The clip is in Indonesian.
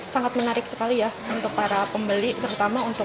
sangat menarik sekali ya untuk para pembeli terutama untuk